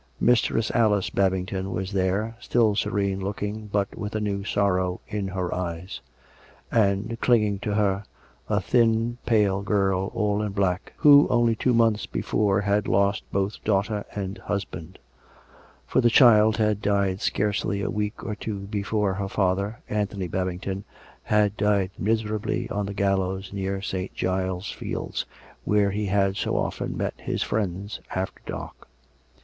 Mistress Alice Babington was there, still serene looking, but with a new sorrow in her eyes ; and, clinging to her, a thin, pale girl all in black, who only two months before had lost both daughter and husband ; for the child had died scarcely a week or two before her father, Anthony Babington, had died miserably on the gal lows near St. Giles' Fields, where he had so often met his friends after dark.